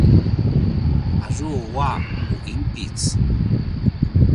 azua a u inpic